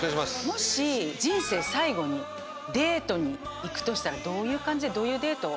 もし人生最後にデートに行くとしたらどういう感じでどういうデートを。